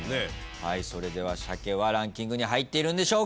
それではシャケはランキングに入っているんでしょうか？